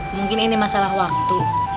mungkin ini masalah waktu